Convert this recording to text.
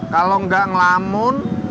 kalau gak ngelamun